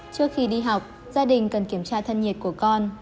trước khi đi học gia đình cần kiểm tra thân nhiệt của con